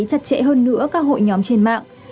chặt chẽ hơn nữa các hội nhóm trên mạng